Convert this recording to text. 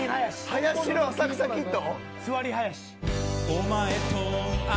林の「浅草キッド」？